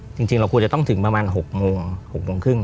จริงเราควรจะต้องถึงประมาณ๖โมง